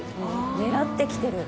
狙ってきてる。